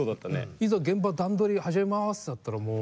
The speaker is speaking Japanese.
いざ現場段取り始めますってなったらもう。